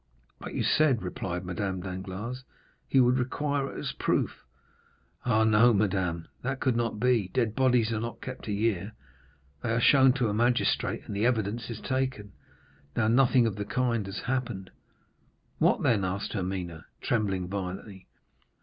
'" "But you said," replied Madame Danglars, "he would require it as a proof." "Ah, no, madame, that could not be. Dead bodies are not kept a year; they are shown to a magistrate, and the evidence is taken. Now, nothing of the kind has happened." "What then?" asked Hermine, trembling violently.